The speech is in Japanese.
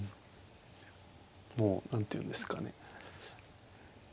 もう何ていうんですかねいや